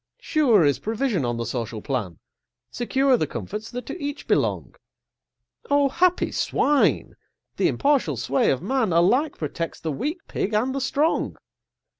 Sure is provision on the social plan, Secure the comforts that to each belong: Oh, happy Swine! the impartial sway of man Alike protects the weak Pig and the strong.